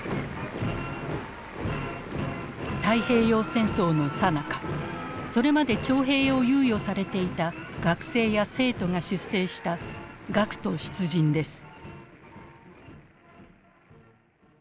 太平洋戦争のさなかそれまで徴兵を猶予されていた学生や生徒が出征した学徒出陣です。